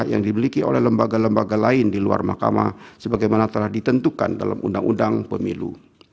yang dimiliki oleh lembaga lembaga lain di luar mahkamah sebagaimana telah ditentukan dalam undang undang pemilu